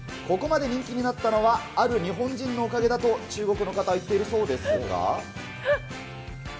ここまで人気になったのは、ある日本人のおかげだと、中国の方は言っているそうですが。